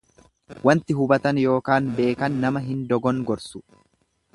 Waanti hubatan ykn beekan nama hin dogongorsu.